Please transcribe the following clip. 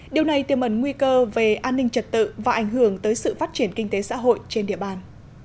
điều này tiêm ẩn nguy cơ về an ninh trật tự và ảnh hưởng tới sự phát triển kinh tế xã hội trên địa bàn